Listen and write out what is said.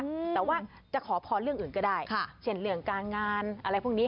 อืมแต่ว่าจะขอพรเรื่องอื่นก็ได้ค่ะเช่นเรื่องการงานอะไรพวกนี้